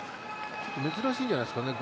珍しいんじゃないですかね。